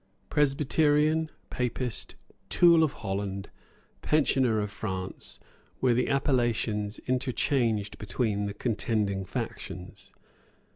Presbyterian, Papist, Tool of Holland, Pensioner of France, were the appellations interchanged between the contending factions.